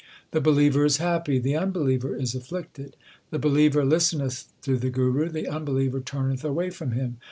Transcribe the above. The believer is happy ; the unbeliever is afflicted. The believer listeneth to the Guru ; the unbeliever turneth away from him.